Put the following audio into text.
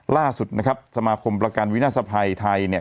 ล่าสุดนะครับสมาคมประกันวินาศภัยไทยเนี่ย